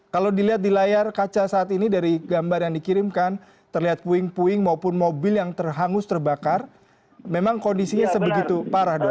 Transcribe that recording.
kalau dilihat di layar kaca saat ini dari gambar yang dikirimkan terlihat puing puing maupun mobil yang terhangus terbakar memang kondisinya sebegitu parah dok